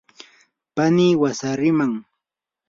pani wasariman.